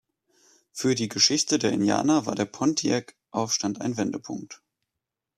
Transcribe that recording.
Für die Geschichte der Indianer war der Pontiac-Aufstand ein Wendepunkt.